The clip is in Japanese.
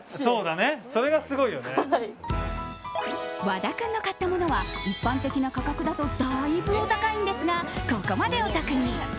和田君の買ったものは一般的な価格だとだいぶお高いんですがここまでお得に。